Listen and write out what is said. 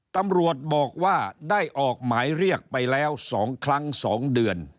ตำรวจบอกว่าได้ออกหมายเรียกไปแล้ว๒ครั้ง๒เดือน